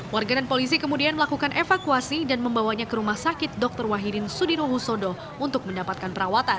warganan polisi kemudian melakukan evakuasi dan membawanya ke rumah sakit dokter wahidin sudiruhusodo untuk mendapatkan perawatan